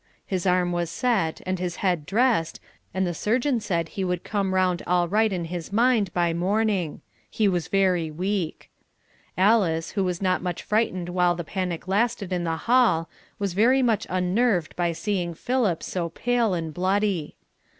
His arm was set and his head dressed, and the surgeon said he would come round all right in his mind by morning; he was very weak. Alice who was not much frightened while the panic lasted in the hall, was very much unnerved by seeing Philip so pale and bloody.